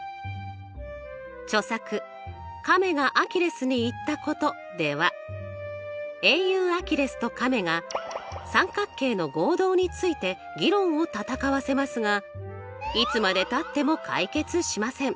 著作「亀がアキレスに言ったこと」では英雄アキレスと亀が三角形の合同について議論を戦わせますがいつまでたっても解決しません。